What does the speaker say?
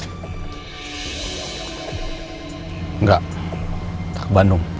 enggak kita ke bandung